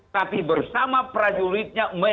tapi bersama prajuritnya